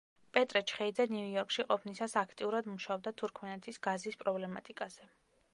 პეტრე ჩხეიძე ნიუ-იორკში ყოფნისას აქტიურად მუშაობდა თურქმენეთის გაზის პრობლემატიკაზე.